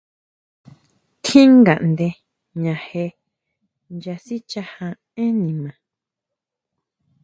Tjín ngaʼnde jña je nya sichaja énn nima.